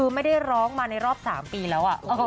คือไม่ได้ร้องมาในรอบ๓ปีแล้ว